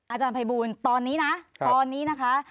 อาจารย์ภัยบูลตอนนี้นะตอนนี้นะคะ